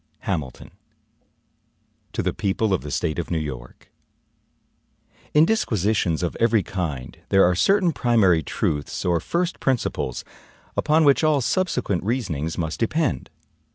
HAMILTON To the People of the State of New York: IN DISQUISITIONS of every kind, there are certain primary truths, or first principles, upon which all subsequent reasonings must depend.